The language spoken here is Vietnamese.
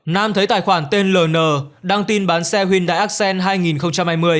nam thấy tài khoản tên ln đăng tin bán xe hyundai accent hai nghìn hai mươi